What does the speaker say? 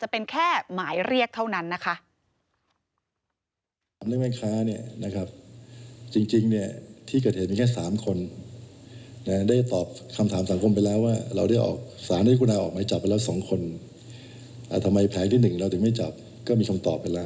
เป็นแค่หมายเรียกเท่านั้นนะคะ